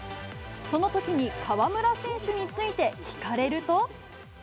そのときに河村選手について聞かれると。